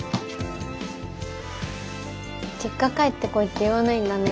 実家帰ってこいって言わないんだね。